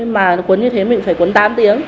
mà cuốn như thế mình phải cuốn tám tiếng